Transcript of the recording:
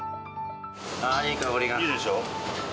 あー、いい香りが。いいでしょ？